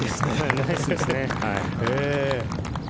ナイスですね。